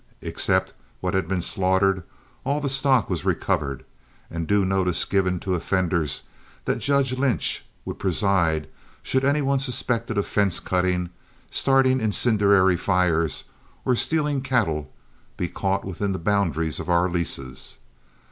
Except what had been slaughtered, all the stock was recovered, and due notice given to offenders that Judge Lynch would preside should any one suspected of fence cutting, starting incendiary fires, or stealing cattle be caught within the boundaries of our leases.